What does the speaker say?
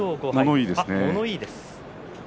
物言いです。